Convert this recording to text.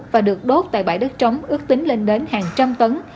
và được đốt tại bãi đất trống ước tính lên đến hàng trăm tấn